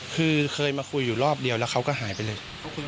คือเคยมาคุยอยู่รอบเดียวแล้วเขาก็หายไปเลย